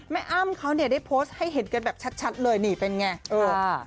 แม่อ้ามเขาได้โพสต์ให้เห็นกันแบบชัดเลยนี่เป็นอย่างไร